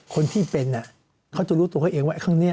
คนที่เป็นเขาจะรู้ตัวเขาเองว่าข้างนี้